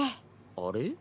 「あれ」？